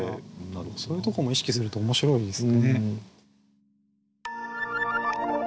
そういうとこも意識すると面白いですね。